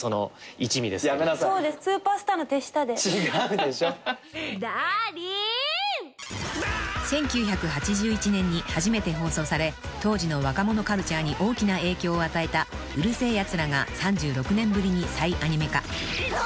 ［１９８１年に初めて放送され当時の若者カルチャーに大きな影響を与えた『うる星やつら』が３６年ぶりに再アニメ化］